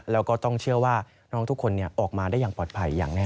แล้วก็ต้องเชื่อว่าน้องทุกคนออกมาได้อย่างปลอดภัยอย่างแน่